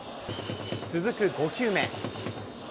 続く５球目。